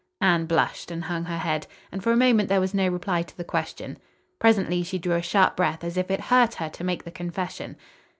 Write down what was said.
Anne blushed and hung her head, and for a moment there was no reply to the question. Presently she drew a sharp breath as if it hurt her to make the confession.